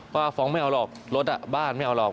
ว่าฟ้องไม่เอาหรอกรถบ้านไม่เอาหรอก